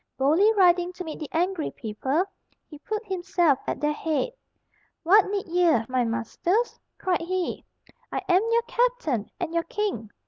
Boldly riding to meet the angry people, he put himself at their head. "What need ye, my masters?" cried he. "I am your captain and your king.